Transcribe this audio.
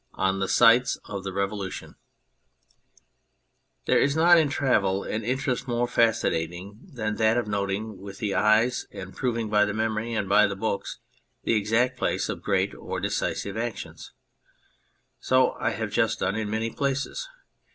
82 ON THE SITES OF THE REVOLUTION THERE is not in travel an interest more fascinating than that of noting with the eyes and proving by the memory and by books the exact place of great or decisive actions. So have I just done in many places.